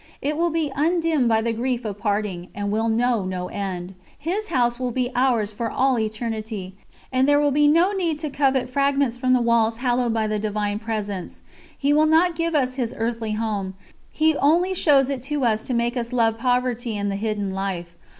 It will be undimmed by the grief of parting, and will know no end. His House will be ours for all eternity, and there will be no need to covet fragments from the walls hallowed by the Divine Presence. He will not give us His earthly Home He only shows it to us to make us love poverty and the hidden life.